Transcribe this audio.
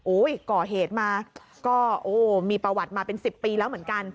ก่อเหตุมาก็โอ้มีประวัติมาเป็น๑๐ปีแล้วเหมือนกัน